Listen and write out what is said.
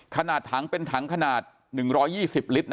กลุ่มตัวเชียงใหม่